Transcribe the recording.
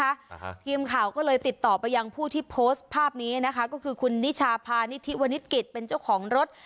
อ่าฮะทีมข่าวก็เลยติดต่อไปยังผู้ที่โพสต์ภาพนี้นะคะก็คือคุณนิชาพานิธิวนิดกิจเป็นเจ้าของรถ